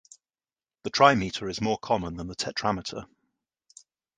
The trimeter is more common than the tetrameter.